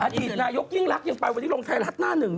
อดีตนายกยิ่งรักยังไปวันนี้ลงไทยรัฐหน้าหนึ่ง